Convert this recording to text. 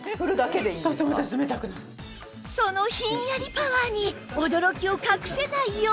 そのひんやりパワーに驚きを隠せないよう